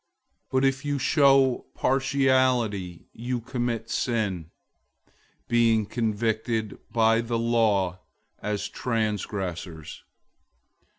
002:009 But if you show partiality, you commit sin, being convicted by the law as transgressors.